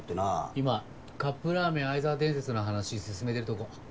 今カップラーメン愛沢伝説の話進めてるとこ。